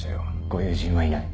ご友人はいない。